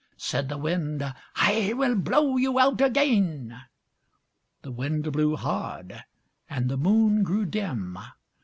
Said the Wind, "I will blow you out again." The Wind blew hard, and the Moon grew dim.